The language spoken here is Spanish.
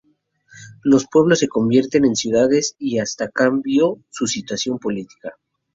Los pueblos se convirtieron en ciudades y hasta cambió su situación política.